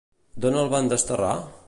D'on el van desterrar?